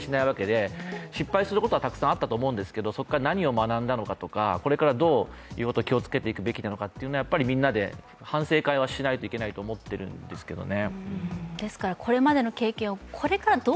この今回のこれだけの感染症ってめったに経験しないわけで失敗することはたくさんあったと思うんですけどそこから何を学んだのかこれから何を気をつけていくべきなのかは、みんなで反省会はしないといけないと思ってるんですけどね。